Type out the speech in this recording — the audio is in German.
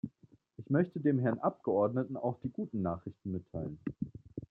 Ich möchte dem Herrn Abgeordneten auch die guten Nachrichten mitteilen.